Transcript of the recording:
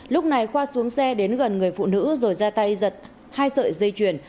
lúc này khoa xuống xe đến gần người phụ nữ rồi ra tay giật hai sợi dây chuyền